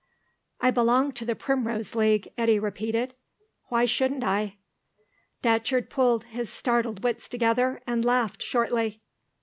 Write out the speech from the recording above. "I belong to the Primrose League," Eddy repeated. "Why shouldn't I?" Datcherd pulled his startled wits together, and laughed shortly.